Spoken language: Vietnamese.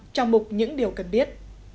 trong mục những điều cần biết